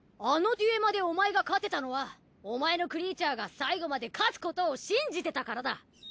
あのデュエマでお前が勝てたのはお前のクリーチャーが最後まで勝つことを信じてたからだ。